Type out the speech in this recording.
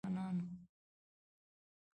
لا« څشي غواړی» له واکمنانو